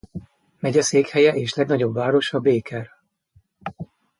Megyeszékhelye és legnagyobb városa Baker.